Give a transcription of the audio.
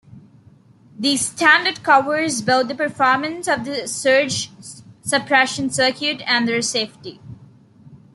The standard covers both the performance of the surge suppression circuit and their safety.